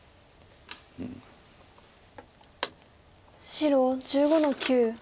白１５の九。